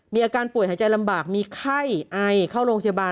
มีอาการป่วยหายใจลำบากมีไข้ไอเข้าโรงพยาบาล